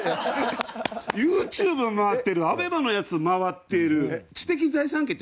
ＹｏｕＴｕｂｅは回ってるＡＢＥＭＡのやつも回ってる。